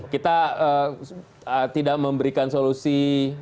kita tidak memberikan solusi